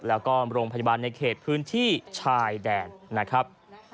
แล้วก็โรงพยาบาลในเขตพื้นที่ชายแดนนะครับ